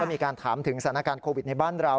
มีการถามถึงสถานการณ์โควิดในบ้านเรา